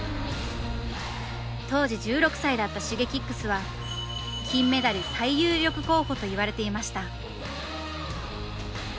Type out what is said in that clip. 当時１６歳だったＳｈｉｇｅｋｉｘは金メダル最有力候補と言われていました。